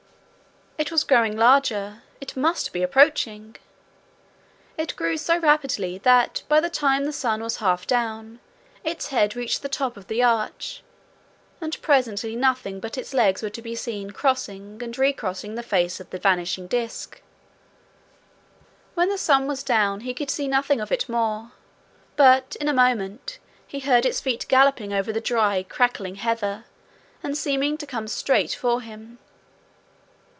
It was growing larger, it must be approaching! It grew so rapidly that by the time the sun was half down its head reached the top of the arch, and presently nothing but its legs were to be seen, crossing and recrossing the face of the vanishing disc. When the sun was down he could see nothing of it more, but in a moment he heard its feet galloping over the dry crackling heather, and seeming to come straight for him.